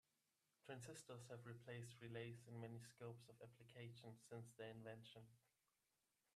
Transistors have replaced relays in many scopes of application since their invention.